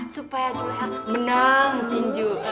supaya juleha menang tinju